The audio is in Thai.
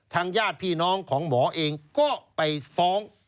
ญาติพี่น้องของหมอเองก็ไปฟ้อง